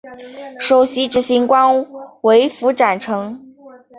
首席执行官为符展成。